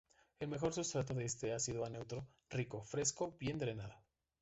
El mejor sustrato es de ácido a neutro, rico, fresco, bien drenado.